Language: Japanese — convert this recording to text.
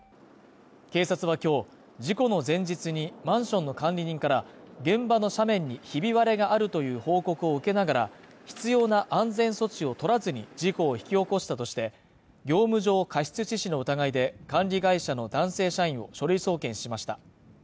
警察は今日、事故の前日にマンションの管理人から、現場の斜面にひび割れがあるという報告を受けながら、必要な安全措置を取らずに事故を引き起こしたとして、業務上過失致死の疑いで、管理会社の男性社員を書類送検しました。